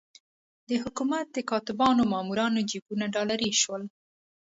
د حکومت د کاتبانو او مامورانو جېبونه ډالري شول.